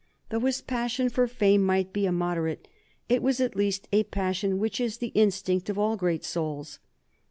Though his passion for fame might be immoderate, it was at least a passion which is the instinct of all great souls.